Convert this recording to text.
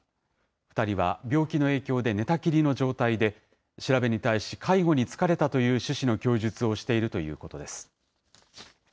２人は病気の影響で寝たきりの状態で、調べに対し、介護に疲れたという趣旨の供述をしているということです。